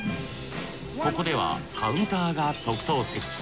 ここではカウンターが特等席。